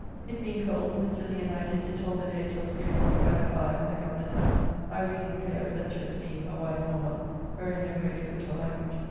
It being cold, Mr. Lee and I did sit all the day till three o'clock by the fire in the Governor's house; I reading a play of Fletcher's, being "A Wife for a Month," wherein no great wit or language.